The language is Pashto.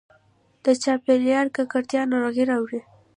د چاپېریال ککړتیا ناروغي راوړي.